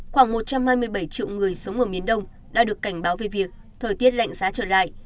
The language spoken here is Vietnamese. khoảng một trăm hai mươi bảy triệu người sống ở miền đông đã được cảnh báo về việc thời tiết lạnh giá trở lại